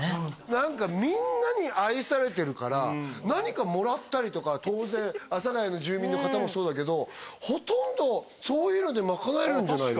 何かみんなに愛されてるから何かもらったりとか当然阿佐ヶ谷の住民の方もそうだけどほとんどそういうのでまかなえるんじゃないの？